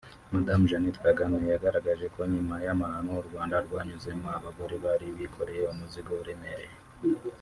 Madamu Jeannette Kagame yagaragaje ko nyuma y’amahano u Rwanda rwanyuzemo abagore bari mu bikoreye umuzigo uremereye